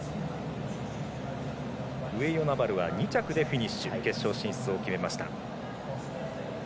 上与那原は２着でフィニッシュして決勝進出を決めました。